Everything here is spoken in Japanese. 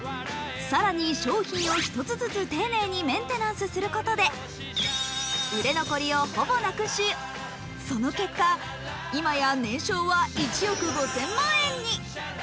更に商品を一つずつ丁寧にメンテナンスすることで売れ残りをほぼなくし、その結果今や年商は１億５０００万円に。